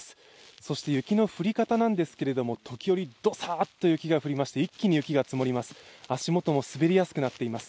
そして雪の降り方なんですけれども、時折どさっと雪が降りまして一気に雪が積もります。